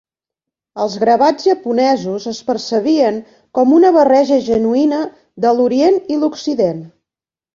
Els gravats japonesos es percebien com a una barreja genuïna de l'orient i l'occident.